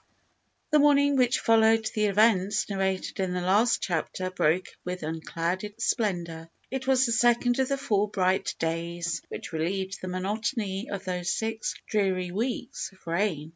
The morning which followed the events narrated in the last chapter broke with unclouded splendour. It was the second of the four bright days which relieved the monotony of those six dreary weeks of rain.